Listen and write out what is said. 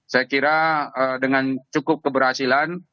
saya kira dengan cukup keberhasilan